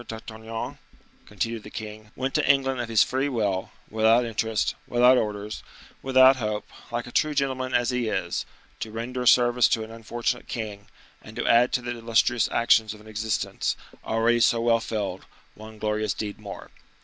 d'Artagnan," continued the king, "went to England of his free will, without interest, without orders, without hope, like a true gentleman as he is, to render a service to an unfortunate king, and to add to the illustrious actions of an existence, already so well filled, one glorious deed more."